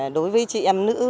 đối với chị em nữ